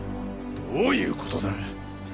どういうことだ。